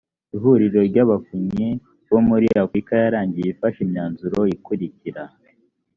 ihuriro ry’abavunyi bo muri afurika yarangiye ifashe imyanzuro ikurikira